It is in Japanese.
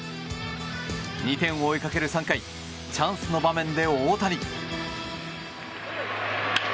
２点を追いかける３回チャンスの場面で大谷。